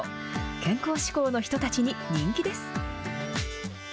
健康志向の人たちに人気です。